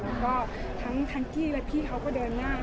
แล้วก็ทั้งกี้และพี่เขาก็เดินหน้า